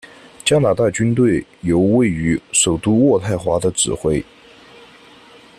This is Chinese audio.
加拿大军队由位于首都渥太华的指挥。